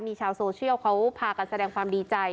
มีชาวโซเชียลเขาพากันแสดงความดีใจ